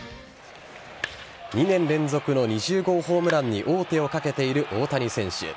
２年連続の２０号ホームランに王手をかけている大谷選手。